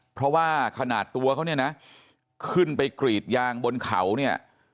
เพราะว่าขนาดตัวเขาเนี่ยนะขึ้นไปกรีดยางบนเขาเนี่ย